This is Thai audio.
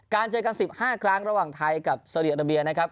เจอกัน๑๕ครั้งระหว่างไทยกับสาวดีอาราเบียนะครับ